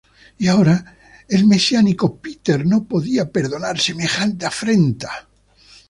Y el ahora mesiánico Peter no podía perdonar semejante afrenta.